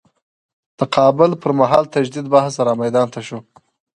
تقابل پر مهال تجدید بحث رامیدان ته شو.